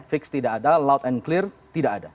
fix tidak ada loud and clear tidak ada